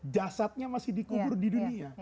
jasadnya masih dikubur di dunia